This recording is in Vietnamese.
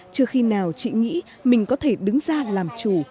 chưa khi nào chị nghĩ mình có thể đứng ra làm chủ